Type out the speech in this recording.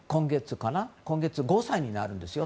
今月、５歳になるんですよ。